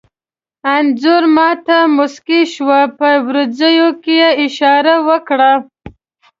انځور ما ته موسکی شو، په وروځو کې یې اشاره وکړه.